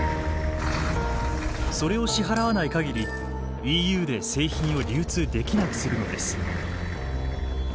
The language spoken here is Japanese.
それを支払わない限りＥＵで製品を流通できなくするのです。